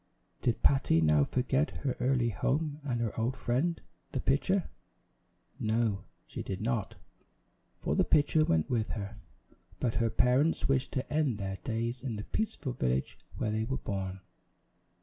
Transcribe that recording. Did Patty now forget her early home and her old friend, the pitcher? No, she did not, for the pitcher went with her; but her parents wished to end their days in the peaceful village where they were born.